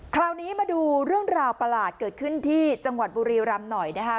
คราวนี้มาดูเรื่องราวประหลาดเกิดขึ้นที่จังหวัดบุรีรำหน่อยนะคะ